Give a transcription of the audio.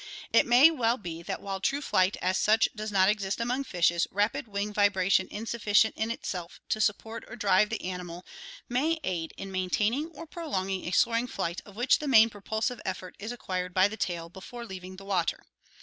It may well be that while true flight as such does not exist among fishes, rapid wing vibration insufficient in itself to support or drive the animal may aid in maintaining or prolong ing a soaring flight of which the main propulsive effort is acquired by the tail before leaving the water.